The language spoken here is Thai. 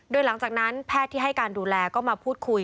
โดยหลังจากนั้นแพทย์ที่ให้การดูแลก็มาพูดคุย